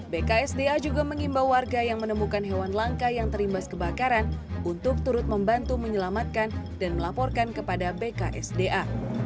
bksda juga mengimbau warga yang menemukan hewan langka yang terimbas kebakaran untuk turut membantu menyelamatkan dan melaporkan kepada bksda